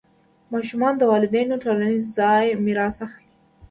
ماشومان د والدینو ټولنیز ځای میراث اخلي.